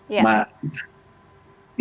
ya silakan pak